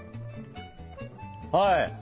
はい。